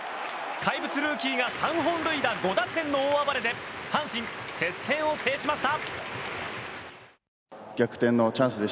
怪物ルーキーが３本塁打５打点の大暴れで阪神、接戦を制しました。